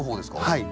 はい。